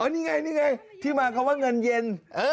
อ้อนี่ไงที่มางคำว่าเงินเย็น